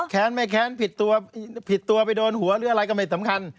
แค้นไม่แค้นผิดตัวผิดตัวไปโดนหัวหรืออะไรก็ไม่สำคัญ